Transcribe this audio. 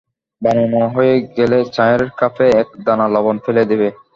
বানানো হয়ে গেলে চায়ের কাপে এক দানা লবণ ফেলে দেবে।